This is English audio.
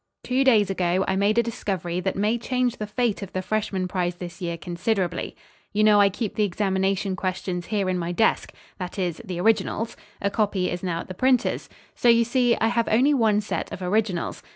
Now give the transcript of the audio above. Two days ago I made a discovery that may change the fate of the freshman prize this year considerably. You know I keep the examination questions here in my desk. That is, the originals. A copy is now at the printers. So, you see, I have only one set of originals.